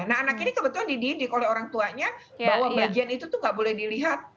nah anak ini kebetulan dididik oleh orang tuanya bahwa bagian itu tuh gak boleh dilihat